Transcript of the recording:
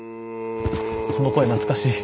この声懐かしい。